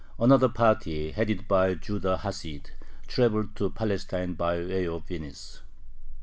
Another party, headed by Judah Hasid, traveled to Palestine by way of Venice.